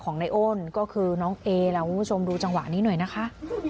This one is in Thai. ในโอนก็คือน้องเอล่ะคุณผู้ชมดูจังหวะนี้หน่อยนะคะ